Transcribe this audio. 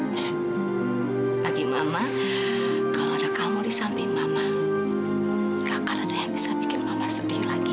nah bagi mama kalau ada kamu di samping mama gak akan ada yang bisa bikin mama sedih lagi